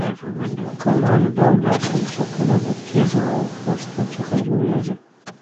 کمان ډوله پلچکونه د تیږو او خښتو څخه جوړیږي